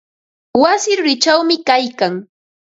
Wasi rurichawmi kaylkan.